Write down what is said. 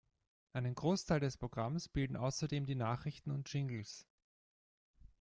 Einen Großteil des Programms bilden außerdem die Nachrichten und Jingles.